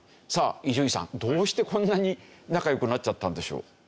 さあ伊集院さんどうしてこんなに仲良くなっちゃったんでしょう？